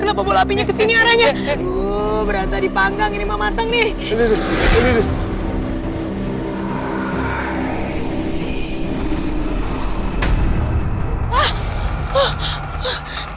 kenapa kenapa apinya kesini aranya berantai dipanggang ini mau matang nih